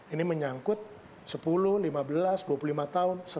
ini menyangkut sepuluh lima belas dua puluh lima tahun